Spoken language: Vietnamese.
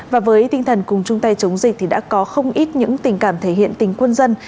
và với tinh thần cùng chung tay chống dịch thì đã có không ít những tình cảm thể hiện tình quân dân